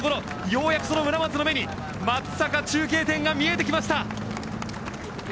ようやくその村松の目に松阪中継点が見えてきました。